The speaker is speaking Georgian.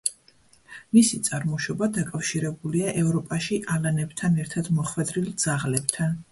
მისი წარმოშობა დაკავშირებულია ევროპაში ალანებთან ერთად მოხვედრილ ძაღლებთან.